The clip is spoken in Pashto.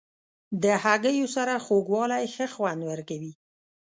د هګیو سره خوږوالی ښه خوند ورکوي.